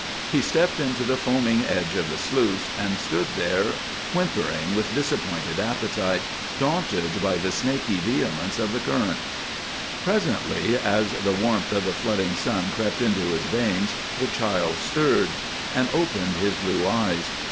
He stepped into the foaming edge of the sluice, and stood there whimpering with disappointed appetite, daunted by the snaky vehemence of the current. Presently, as the warmth of the flooding sun crept into his veins, the child stirred, and opened his blue eyes.